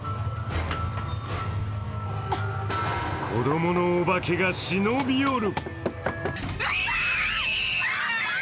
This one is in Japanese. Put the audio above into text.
子供のお化けが忍び寄る。